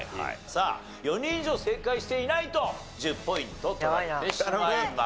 さあ４人以上正解していないと１０ポイント取られてしまいます。